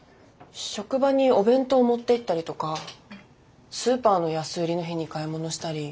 職場にお弁当を持っていったりとかスーパーの安売りの日に買い物したり。